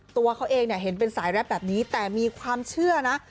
ตัวเขาเองเนี่ยเห็นเป็นสายแรปแบบนี้แต่มีความเชื่อนะ